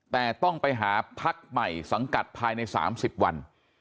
แต่ต้องไปหาพักใหม่สังกัดภายใน๓๐วัน